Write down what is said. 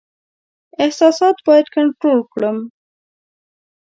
احساسات باید کنټرول کړم.